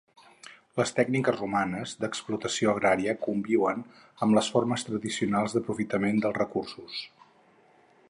Les tècniques romanes d'explotació agrària conviuen amb les formes tradicionals d'aprofitament dels recursos.